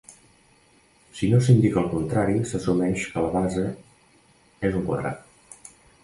Si no s'indica el contrari, s'assumeix que la base és un quadrat.